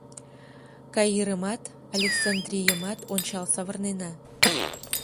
— Каирымат, Александрийымат ончал савырнена.